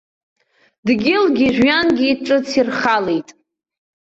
Дгьылгьы жәҩангьы ҿыц ирхалеит.